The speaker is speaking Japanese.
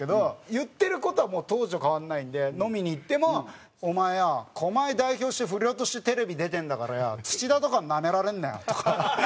言ってる事は当時と変わらないんで飲みに行っても「お前よ狛江代表して不良としてテレビに出てんだからよ土田とかになめられるなよ」とか。